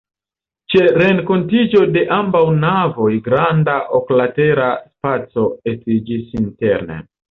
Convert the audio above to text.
Ĉe renkontiĝo de ambaŭ navoj granda oklatera spaco estiĝis interne.